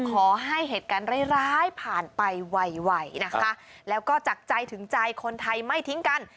ขอให้เหตุการณ์ร้ายร้ายผ่านไปไวนะคะแล้วก็จากใจถึงใจคนไทยไม่ทิ้งกัน